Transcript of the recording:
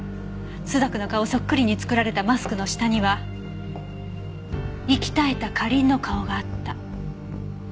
「朱雀の顔そっくりに作られたマスクの下には息絶えた花凛の顔があった」